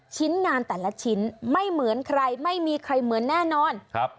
ชิ้นงานแต่ละชิ้นไม่เหมือนใครไม่มีใครเหมือนแน่นอนครับ